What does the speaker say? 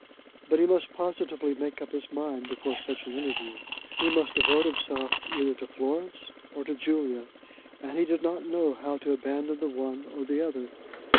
But he must positively make up his mind before such an interview. He must devote himself either to Florence or to Julia; and he did not know how to abandon the one or the other.